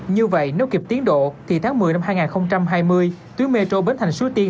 như vậy nếu kịp tiến độ thì tháng một mươi năm hai nghìn hai mươi tuyến metro bến thành suối tiên